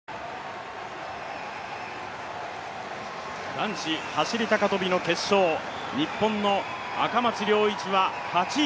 男子走高跳の決勝、日本の赤松諒一は８位。